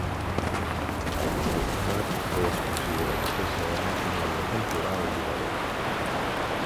El model M també es considera una peça de maquinari atemporal i duradora.